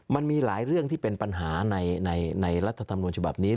มันมีหลายเรื่องที่เป็นปัญหาในรัฐธรรมนูญฉบับนี้